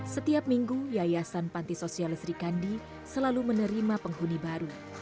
setiap minggu yayasan panti sosial sri kandi selalu menerima penghuni baru